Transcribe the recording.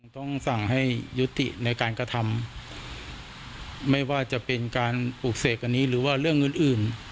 ต้องสั่งให้ยุติในการกระทำไม่ว่าจะเป็นการปลูกเสกอันนี้หรือว่าเรื่องอื่นอื่น